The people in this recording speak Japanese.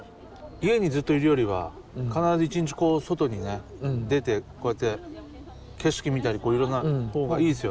家にずっといるよりは必ず一日外にね出てこうやって景色見たりこういろんな方がいいですよね。